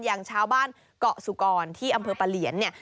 อย่างชาวบ้านเกาะสุกรที่อำเภอปะเหลียนเนี่ย